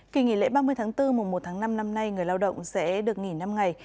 kỳ nghỉ lễ ba mươi tháng bốn mùa một tháng năm năm nay người lao động sẽ được nghỉ năm ngày